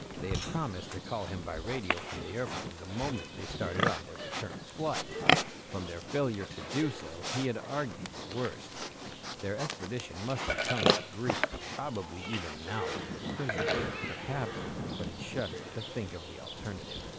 They had promised to call him by radio from the airplane the moment they started on their return flight. From their failure to do so he argued the worst. Their expedition must have come to grief, probably even now they were prisoners, perhaps But he shuddered to think of the alternative.